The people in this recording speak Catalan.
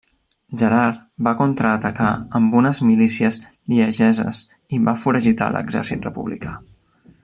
Gerard va contraatacar amb unes milícies liegeses i foragitar l'exèrcit republicà.